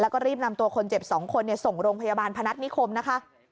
แล้วก็รีบนำตัวคนเจ็บ๒คนส่งโรงพยาบาลพนัฐนิคมนะคะ